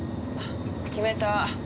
決めた。